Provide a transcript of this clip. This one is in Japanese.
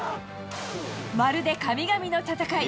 まるで神々の戦い。